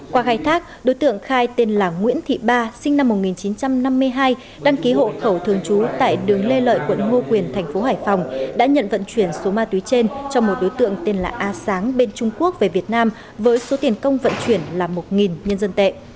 qua khai thác đối tượng khai tên là nguyễn thị ba sinh năm một nghìn chín trăm năm mươi hai đăng ký hộ khẩu thường trú tại đường lê lợi quận ngô quyền thành phố hải phòng đã nhận vận chuyển số ma túy trên cho một đối tượng tên là a sáng bên trung quốc về việt nam với số tiền công vận chuyển là một nhân dân tệ